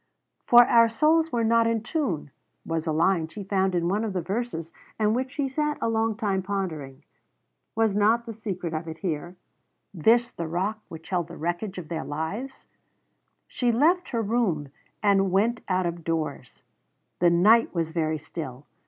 "For our souls were not in tune" was a line she found in one of the verses and which she sat a long time pondering. Was not the secret of it here? This the rock which held the wreckage of their lives? She left her room and went out of doors. The night was very still.